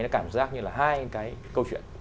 nó cảm giác như là hai cái câu chuyện